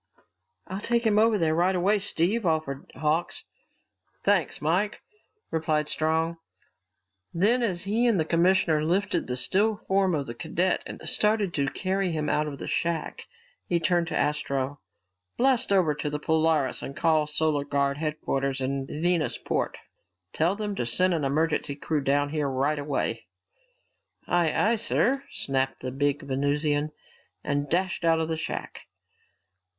"I'll take him over there right away, Steve," offered Hawks. "Thanks, Mike," replied Strong. Then as he and the commissioner lifted the still form of the cadet and started to carry him out of the shack, he turned to Astro. "Blast over to the Polaris and call Solar Guard headquarters in Venusport. Tell them to send an emergency crew down here right away." "Aye, aye, sir," snapped the big Venusian and dashed out of the shack.